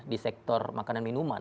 di sektor makanan minuman